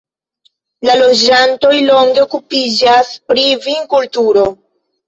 La loĝantoj longe okupiĝas pri vinkulturo.